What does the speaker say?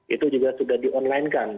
itu juga sudah di online kan